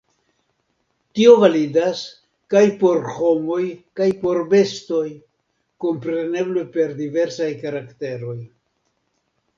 Tio validas kaj por homoj kaj por bestoj, kompreneble per diversaj karakteroj.